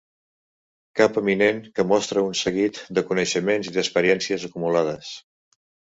Cap eminent que mostra un seguit de coneixements i d'experiències acumulades.